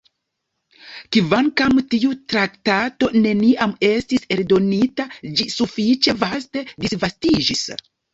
Kvankam tiu traktato neniam estis eldonita, ĝi sufiĉe vaste disvastiĝis.